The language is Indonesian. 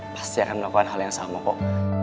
pasti akan melakukan hal yang sama kok